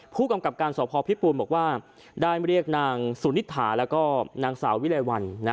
ผู้กำกับการสอบพอพิปูนบอกว่าได้เรียกนางสุนิษฐาแล้วก็นางสาววิลัยวันนะ